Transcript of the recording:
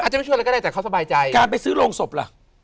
จะไม่ช่วยอะไรก็ได้แต่เขาสบายใจการไปซื้อโรงศพล่ะ